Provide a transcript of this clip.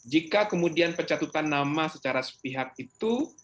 jika kemudian pencatutan nama secara sepihak itu